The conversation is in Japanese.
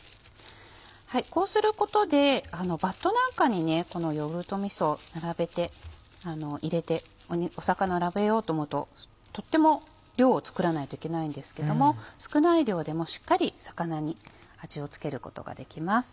こうすることでバットなんかにこのヨーグルトみそを並べて入れて魚並べようと思うととっても量を作らないといけないんですけども少ない量でもしっかり魚に味を付けることができます。